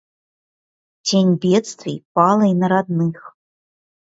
Тень бедствий пала и на родных.